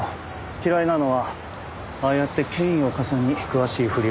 嫌いなのはああやって権威を笠に詳しいふりをする人間です。